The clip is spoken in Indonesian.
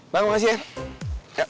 bang makasih ya